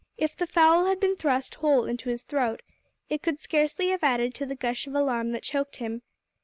If the fowl had been thrust whole into his throat it could scarcely have added to the gush of alarm that choked him.